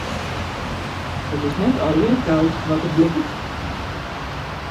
It is net allegearre goud wat der blikkert.